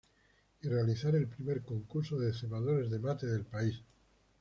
Y realizar el primer "Concurso de Cebadores de Mate del País".